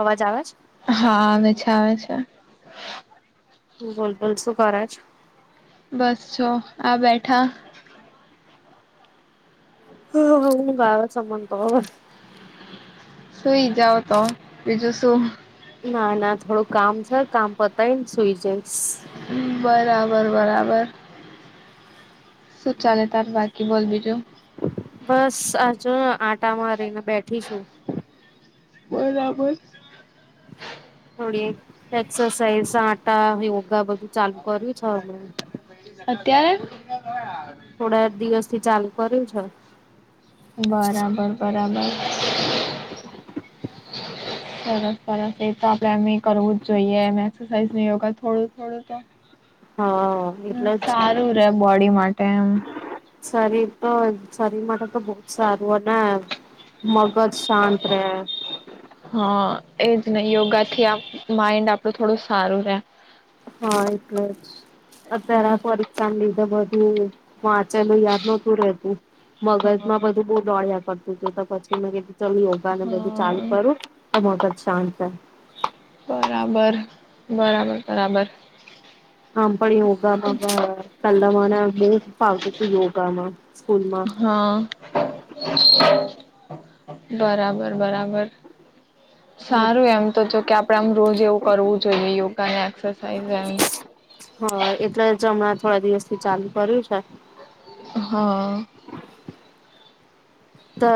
અવાજ આવે છે? હા, આવે છે આવે છે. બોલ બોલ શું કર છ. બસ છો. આ બેઠા. હ હ હું બાર સબનતો ઉહ સુુંઈ જાવ તો બીજું શું? ના ના થોડું કામ સ, કામ પતાઈન સુઈ જઈશ. બરાબર બરાબર. શું ચાલે તાર બાકી બોલ બીજું. બસ આજો આ આઠ તામારી ન બેઠી શું. બરાબર. થોડી એક્સરસાઈઝ આઠ તા ને યોગા બધું ચાલુ કર્યું છે હમણાં. [unintelligible] ત્યારે થોડા દિવસથી ચાલ કર્યું છે. બરાબર બરાબર. સરસ સરસ. એ તો આપડે એમ બી કરવું જ જોઈએ એમ એક્સરસાઈઝ ને યોગા થોડું થોડું તો હા, એટલે સારું જ રે બોડી માટે એમ શરીર તો શરીર મમાટે તો બહુ જ સારૂ અને મગજ શાંત રે એ જ નહી યોગા થી માઈન્ડ આપણું થોડું સારું રહેે હા એટલે જ અત્યારે આ ફોલીધા બધું હમ્મ વાંચેલું યાદ નહોતું રતું હા મગજમાં બધું બહુ દોળિયા કરતું બીજું તો પછી મે ચલ યોગાને બધું ચાલુ હા કરું તો મગજ શાંત બરાબર બરાબર બરાબર આમ પણ યોગા મા [unintelligible] યોગામાં સ્કૂલમાં હા બરાબર બરાબર સારું એમ તો જો કે આપડે આમ રોજ એવું કરવું જોઈએ યોગા ને એક્સરસાઇઝ એમ હ એટલે જ હમણાં થોડા દિવસ થી ચાલુ કર્યું છે હ.. તો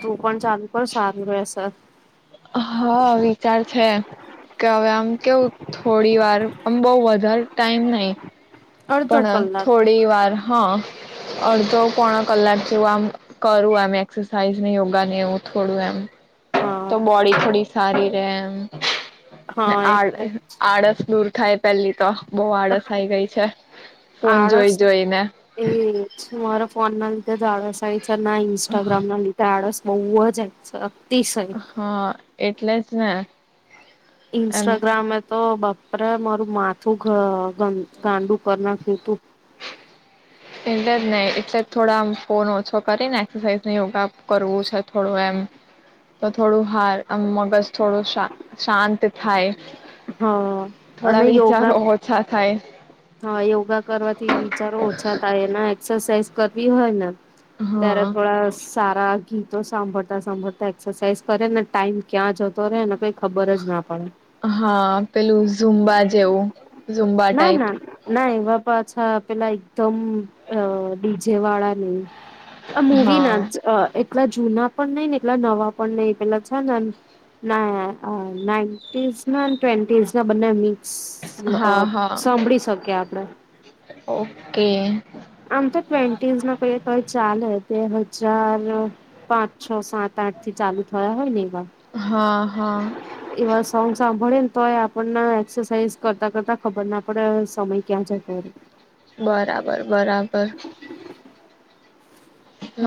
તું પણ ચાલુ કર સારું રહેસ હ વિચાર છે કે હવે આમ કેવું થોડી વાર આમ બઉ વધારે ટાઈમ નહી અડધો પણ કલાક થોડી વાર હ અડધો પોણા કલાક જેવું આમ કરું એમ એક્સરસાાઈઝ ને યોગા ને એવું થોડું એમ હા તો બોડી થોડી સારી રે એમ હા આડ એટલે આળસ દૂર થાય પહેલી તો બહુ આળસ આઈ ગઈ છે ફોન આળસ જોઈ જોઈને એ જ મારા ફોન ને લીધે જ આળસ આઈ ના ઇન્સ્ટાગ્રામ ને લીધે આળસ બઉજ હા એટ એટલે જ ને એમ ઇન્સ્ટાગ્રામ તો બાપરે મારું માથું ગ ગાંડું કર નાખ્યું તું એટલે જ નહી એટલે થોડા આમ ફોન ઓછો કરીને એક્સરસાઇઝ યોગા કરવું છે થોડું એમ તો થોડું હાર મગજ થોડું શા શાંત થાય હા થોડા અને વિચારો યોગા ઓછા થાય હા યોગા કરવાથી ચારો ઓછા થાય એ એક્સરસાઇઝ કરવી હોય ને ત્યારે હા થોડા સાર [unintelligible] ગીતો સાંભળતા સાંભળતા એક્સરસાઇઝ કરે ને ટાઈમ ક્યાં જતો રહેે કઈ ખબર જ ના પડે હા પેલું ઝુંમ્બા જેવું. ઝુંબા ના ટાઈપ ના ના પાછા પેલા એકદમ અ ડીજે વાળા [unintelligible] આ મુવી હા ના જ એટલા જ જૂના પણ નહ ને એટલા નવા પણ નહિ પેલા છે ને એ નાસ ના ટ્વેન્ટીસ ના બનેની હા હ. હા ઓકે આમ તો ટ્વેન્ટીન્માં [unintelligible] બે હજાર પાંચ છ સાત આઠ થી ચાલુ થયા હોય ને હા હા એવા સોન્ગ સા [unintelligible] એ આપણને એક્સરસાઇઝ કરતા કરતા ખબર ના પડે સમય ક્યાં જતો. બરાબર બરાબર બરાબર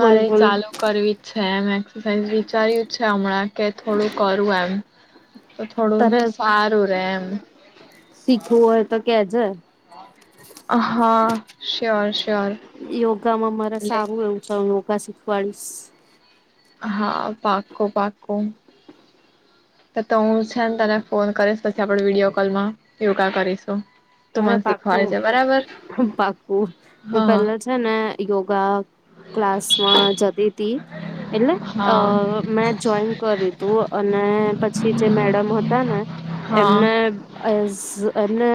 બોલ બોલ ચાલુ કરવી જ છે, અમે એક્સાઝ વિચાર્યું છે, હમણાં કે થોડું કરું એમ તો થોડું તારે સારું [unintelligible] એમ. શીખવું હોય તો કેજ હા શ્યોર શ્યોર યોગામાં મારે સારું એવું [unintelligible] હા પાકો પાકો તો હું છે તને ફોન કરીશ પછી આપડ [unintelligible] કોલમાં યોગા કરીશું. તું અરે મને શીખવાડજે બરાબર [unintelligible] હું હા પેલા છે, ને યોગા ક્લાસમાં જતી હતી. એટલે અ હા મેં જોઈન કર્યું તું અને પછી જે મેડમ હતા ને હા એમને એને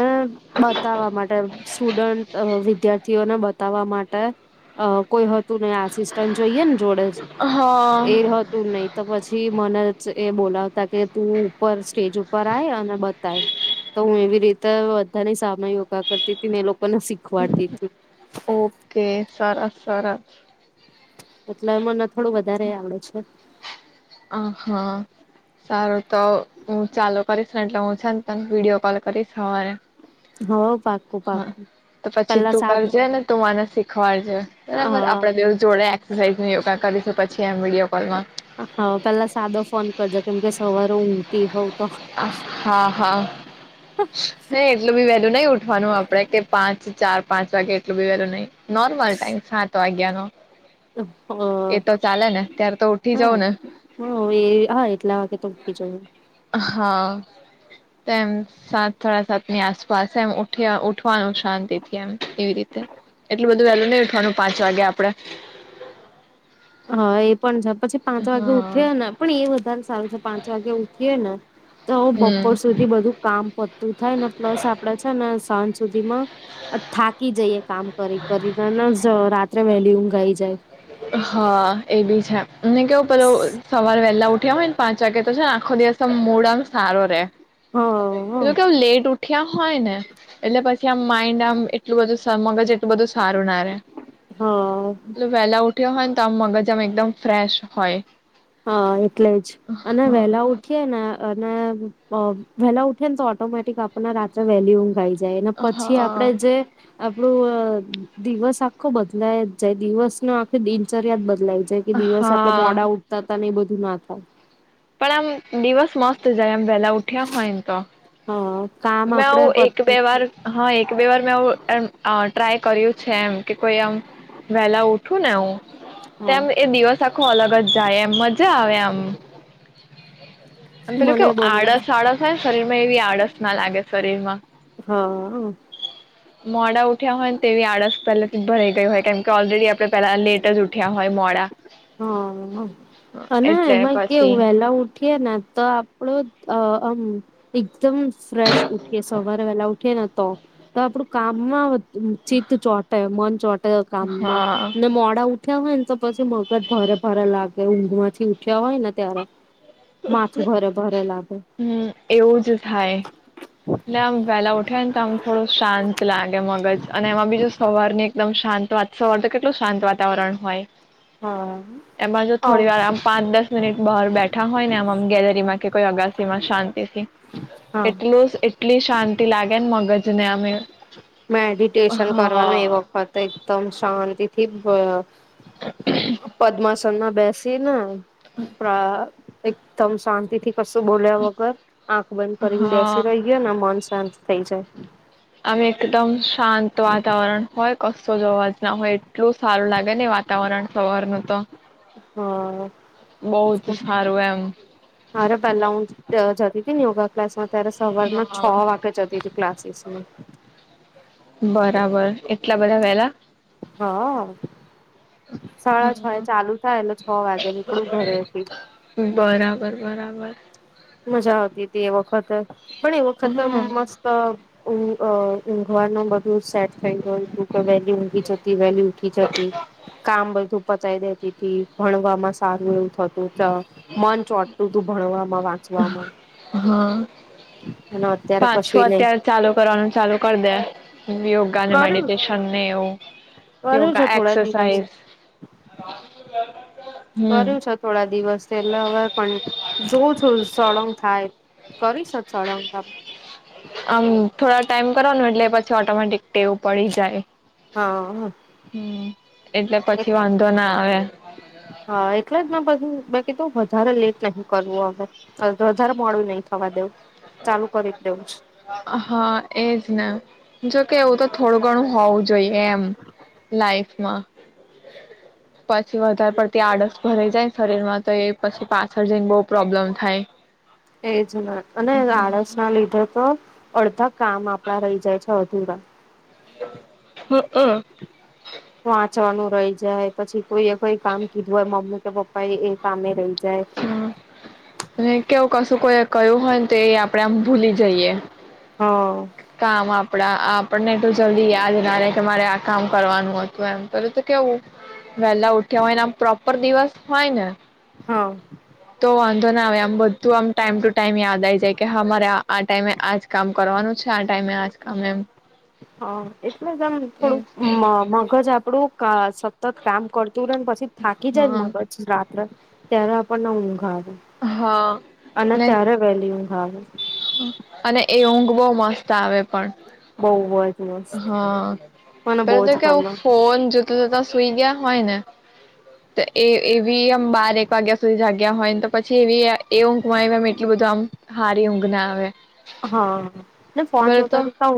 બતાવવા માટે સ્ટુડન્ટ વિ વિદ્યાર્થીઓને બતાવવા માટે અ કોઈ ને આસિસ્ટન્ટ જોઈએ ને જોડે એ હા હતું નહી તો પછી. મને જ એ બોલાવતા કે તું ઉપર સ્ટેજ ઉપર આય અને બતાય તો હું એવી રીતે ન સાય યોગા કરતી હતી મેં લોકો ઓકે સરસ સરસ. એટલે મને થોડું વધારે આવડે છે. [inaudible] હા સારું તો હું ચાલુ કરીશ ને એટલે હું છે ને તને વિડીયો કોલ કરીશ હવારે. હ. હા તો પછી તું કરજેને તું મને શીખવાડજે બરાબર હા આપડા બેઉ જોડે રહીને યોગા કરીશું પછી અ હા પેલા સાદો ફોન કરજો કેમ કે સવારે ઊઘટી હવ તો હ હા હા એટલું બી વેલું નઈ ઉઠવાનું આપડે કે પાંચ ચાર પાંચ વાગે એટલું બી વેલું નઈ નોર્મલ ટાઈમ સાત વાગ્યા નો. હ ને ત્યારે તો ઉઠી હમ્મ જવું ને હ એ હા એટલા વાગે ઉઠી જઉ. હ તેમ સાત સાડા સાતની આસપાસ એમ ઊઠ્યા ઉઠવાનું શાંતિ થી એમ એવી રીતે એટલું બધું વહેલું નહી ઉઠવાનું પાંચ વાગે આપડે. હા એ પણ જા પછી પાંચ વાગે હા ઉઠ્યો ને પણ એ વધારે સારું પાંચ વાગે ઉઠીએે ને તો હમ બપોર સુધી બધું કામ પત- તું થાય ને પ્લસ આપડે છે ને સાંજ સુધીમાં અ થાકી જઈએ. કામ કરી કરીને અન ઝ રાત્રે વહેલા ઊંઘ આઈ જાય. [inaudible] હા એ બી છે. અને કેવું પેલો સવાર વહેલા ઉઠ ઉઠ્યા હોય ને પાંચ વાગે તો છેને આખો દિવસ મૂડ આમ સારો રે. એ લૌક લેટ ઉઠ્યા હોય ને એટલે પછી આમ માઇન્ડ આમ એટલું બધું સમગજ બધું સારું ના રે હ હ વેલા ઉ ઉઠ્યો હોય ને તો આમ મગજ આમ એકદમ ફ્રેશ હોય. હા એટલે જ અને વેલા હા ઉઠીએ ને અને વહેલા ઉઠે ને તો ઓટોમેટિક આપણને રાત્રે વહેલી ઊંઘાઈ જાય. જને પછી આપડે જે હા આપો દિવસ આખો બદલાય જ જાય દિવસ નો આખી દિનચર્યા લ કે દિવસ આપડા હા મોડા ઉ તા ન બધું ના થાય. પણ આમ દિવસ મસ્ત જાય આમ વેલા ઉઠ્યા હોય ને તો. હ. મે હું એક બે વાર હા એક બે વાર મે. [unintelligible] ટ્રાય કર્યું છે એમ કે કોઈ આમ વેલા ઉઠ ઉઠું ને હું હા તેમ એ દિવસ આખો અલગ જ જાય એમ મજા આવે આમ. આમ પેલું મને કેવું બહ મજા આડસ આળસ હોય ને શરીરમાં એવી આળસ લાગે શરીરમાં. હા મોડા ઉઠ ઉઠીયા હોય તેવી આળસ પેલે ભરાઈ ગયું હોય કેમ કે ઓલરેડી આપણે પેલા લેટજ ઉઠ્યા હોય મોડા હ અને એટલે એમાં કેવું પછી વેલા ઉઠી ઉઠીયે ને તો આપણું અ આમ દી એકદમ ફ્રેશ ઉઠીએ સવારે વેલા ઉઠીએ ને તો તો આપડું કામ [unintelligible] ચિત્ત છોટે મન છોટ તે હા કામમાં ને મોડા ઉઠ ઉઠીયા હોય ન તો પછી બહુ બધ ભારે ભારે લાગે ઊંઘમાંથી ઉઠ્યા હોય ને ત્યારે. માથું ભારે-ભારે લાગ હમ્મ એવું જ થાય, એટલે આમ વેલા ઉઠે ને તો આમ થોડો શાંત લાગે મગજ, અને એમાં બી જો સવાર ની એકદમ શાંત વાત સ એટલે કેટલો શાંત વાતાવરણ હોય. હા એમાં જો અમ થોડી વાર આમ પાંચ દસ મિનિટ બહાર બેઠા હોય ને આમ-આમ ગેલેરીમાં કે કોઈ અગાસ તેમાં શાંત એ સી, હા એટલું એટલી શાંતિ લાગે ને મગજ [unintelligible] મેડિટેશન કરવાનું એ વખત એકદમ શાંતિથી હોય પદ્માશ સનમાં બેસી ને પ્રા એકદમ શાંત તેથી કશું બોલ્યા વગર આંખ બંધ કરીને બેસી હા રહીયે ના મન શાંત થઇ જાય. આમે એકદમ શાંત વાતાવરણ હોય. કસો જવા જ ના હોય, એટલું સારું લાગે ને વાતાવરણ સવારનું તો હા, બહુ જ સારું એમ અરે પેલા હું જતી જતી તી ને યોગ ક્લાસ ત્યારે સવારના છ હા વાગે જતી હતી, ક્લાસીસમાં. બરાબર એટલા બધા વેલા? હા, સાડા છ ચાલુ થાય એટલે છ વાગે નીકળું ઘરેથી. વાર મજા આવતી હતી એ વખત. પણ એ વખતમ હા મસ્ત અ ઊંઘવાનું બધું સેટ થઈ ગયું હતું, કે વહેલી ઊંઘી જતી, વહેલી ઉઠી જતી, કામ બધું પતાવી દેતી હતી. ભણવામાં સારું એવું થતું. મન ચોટતું તું ભણવામાં, વાંચ આમાં પાછ છું અત્યારે ચાલુ કરવાનું ચાલુ કરી દે. યોગા ને કર્યું મેડિટેશનને એવું કર્યું યોગા, છે થોડા દિવસ એક્સરસાઇઝ. હમ કર્યું છે થોડા દિવસટલે હવે પણ જોઉં છું. સળંગ થાય. કરી શકે? અમ થોડા ટાઈમ કરવાનું, એટલે પછી ઓટોમેટિક ટેવ પડી જાય. હા એક હ, એટલે પછી વાંધો ના આવે હા એટલા જ ના પ બાકી તો વધરા લેટ નહીં કરવું અવે વધારે મોડું નહી થવા દેવું? ચાલુ કરી દેવું છે. હા એજ ને જોકે એવું તો થોડું ઘણું હોવું જોઈએ એમ લાઈફમાં, પછી વધારે પડતી આડસ ભરા જાયને શરીરમાં તો એ પછી પાછળ જઈને બો પ્રોબ્લેમ થાય. એજ ના અને હમ. આળસ ના લીધે તો અડધા કામ આપણા રહી જાય છે. અધુરા અ અ વાંચવાનું રહી જાય પછી કોઈએ કોઈ કામ કીધું હોય, મમ્મી કે પપ્પા એ કમે રહી જાય. હ અને કેવું કશું કોઈ કયું હોય ને તો એ આપડે એમ ભૂલી જઈએ. હ. કામ આપડા આપણને એટલું જલ્દી યાદ ના રય કે મારે આ કામ કરવાનું હતું એમ પે તો કેવું વહેલા ઉઠ્યા હોય ને આમ પ્રોપર દિવસ હોય ને હા. તો વાંધો ના આવે આમ બધું આમ ટાઈમ ટુ ટાઈમ યાદ આવી જાય કેરે આ ટાઈમે આજ કામ કરવાનું છે આ ટાઈમે આજ કામ એમ. હ એટલે જ એમ થોડું મ મગજ આપડું. [unintelligible] સતત કામ કરતું રે ને પછી થાકી જાયને હા મગજ રાત્રે. ત્યારે આપણને ઊંઘા આવે. હા અને ને ત્યારે વેલી હા. અને એ ઊંઘ બહ મસ્ત આવે. બહુ જ મસ્ત હા મને પે બહુ તો જ કેઉ ગમે ફોન જોતા જતા સુઈ ગયા હોય ને તો એ એ ભી હમ બાર એક વાગ્યા સુઈ જગ હોય તો પછી એ એ ઊંકમાં એટલ બધું આમ હારી બનાવે. હા ના ફોન તો જોતા જતા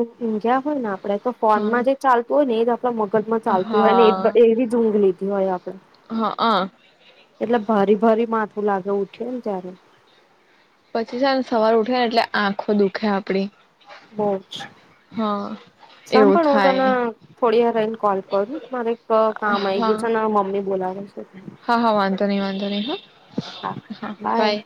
હોય ને આપડે તો ફોન હા માં જે ચાલત હોય ને મગજ માં ચાલતું હોય હા ને એવી ઊઘ લીધી હોય આપે હા એટલે ભરી ફરી માથું લાગે ઉઠે ને ત્યારે. પછી છે ને સવાર ઉઠે ને એટલે આંખો દુખે આપડી. બ હા એવું સાંભાળ હ થાય તને થોડી વાર રહીને કોલ કરું મારે એક કામ આઈ હા ગયું છે અને મમ્મી બોલાવ હ હા હા વાંધો નહી વાંધો નહી હા હા બાય.